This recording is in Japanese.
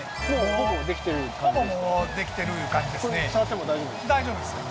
ほぼできてるいう感じですね